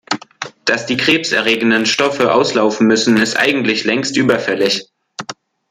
Dass die Krebs erregenden Stoffe auslaufen müssen, ist eigentlich längst überfällig.